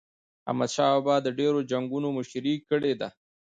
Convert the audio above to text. احمد شاه بابا د ډیرو جنګونو مشري کړې ده.